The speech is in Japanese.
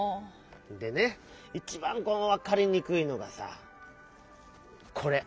でねいちばんこのわかりにくいのがさこれ！